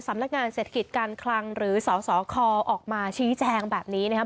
สำนักงานเศรษฐกิจการคลังหรือสสคออกมาชี้แจงแบบนี้นะครับ